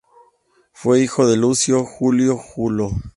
Fue hijo de Lucio Julio Julo.